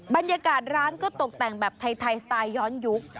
บรรยากาศร้านก็ตกแต่งแบบไทยสไตล์ย้อนยุค